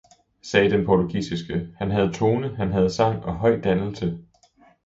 sagde den portugisiske, han havde tone, han havde sang og høj dannelse!